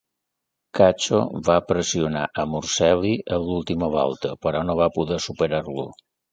Cacho va pressionar a Morceli en l'última volta, però no va poder superar-lo.